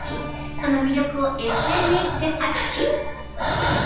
その魅力をＳＮＳで発信。